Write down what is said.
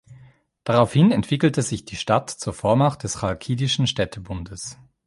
Daraufhin entwickelte sich die Stadt zur Vormacht des Chalkidischen Städtebundes.